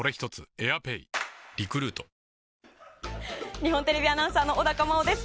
日本テレビアナウンサーの小高茉緒です。